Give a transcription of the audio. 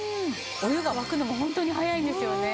お湯が沸くのもホントに早いんですよね。